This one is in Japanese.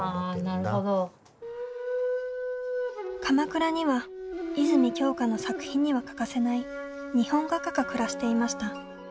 鎌倉には泉鏡花の作品には欠かせない日本画家が暮らしていました。